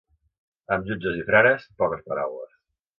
Amb jutges i frares, poques paraules.